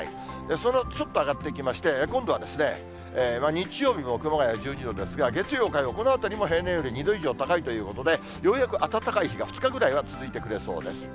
その後、ちょっと上がっていきまして、今度はですね、日曜日も熊谷１２度ですが、月曜、火曜、このあたりも平年より２度以上高いということで、ようやく暖かい日が２日ぐらいは続いてくれそうです。